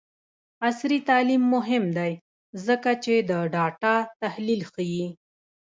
عصري تعلیم مهم دی ځکه چې د ډاټا تحلیل ښيي.